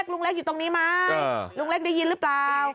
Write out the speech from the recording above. ลุงเล็กอยู่ตรงนี้ไหมลุงเล็กได้ยินหรือเปล่า